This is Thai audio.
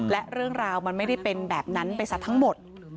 และเรื่องราวมันไม่ได้เป็นแบบนั้นไปซะทั้งหมด